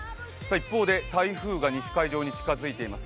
一方で台風が西海上に近づいています。